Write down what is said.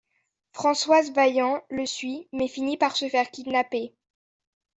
Françoise Vaillant le suit mais finit par se faire kidnapper.